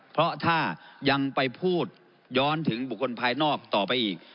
เพราะถ้ายังไปพูดย้อนถึงบุคคลภายนอกต่อไปอีก